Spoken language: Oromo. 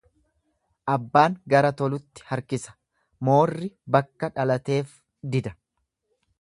Abbaan gara tolutti harkisa moorri bakka dhalateef dida.